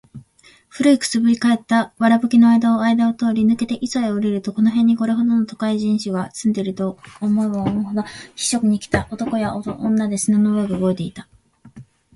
古い燻（くす）ぶり返った藁葺（わらぶき）の間あいだを通り抜けて磯（いそ）へ下りると、この辺にこれほどの都会人種が住んでいるかと思うほど、避暑に来た男や女で砂の上が動いていた。